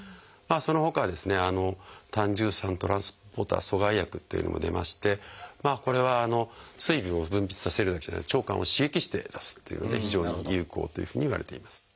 そのほかは「胆汁酸トランスポーター阻害薬」というのも出ましてこれは水分を分泌させるだけじゃなく腸管を刺激して出すっていうので非常に有効というふうにいわれています。